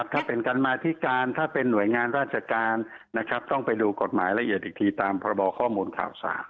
ถ้าเป็นการมาธิการถ้าเป็นหน่วยงานราชการนะครับต้องไปดูกฎหมายละเอียดอีกทีตามพรบข้อมูลข่าวสาร